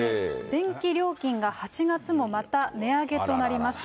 電気料金が８月もまた値上げとなります。